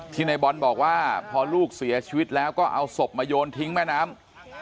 ในบอลบอกว่าพอลูกเสียชีวิตแล้วก็เอาศพมาโยนทิ้งแม่น้ำ